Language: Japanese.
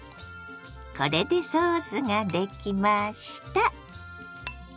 これでソースができました。